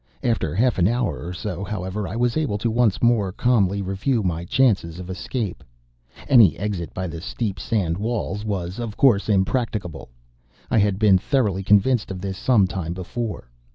After half an hour or so, however, I was able once more to calmly review my chances of escape. Any exit by the steep sand walls was, of course, impracticable. I had been thoroughly convinced of this some time before.